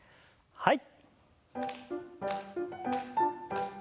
はい。